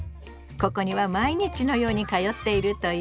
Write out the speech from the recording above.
ここには毎日のように通っているという。